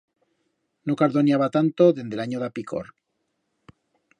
No cardoniaba tanto dende l'anyo d'a picor.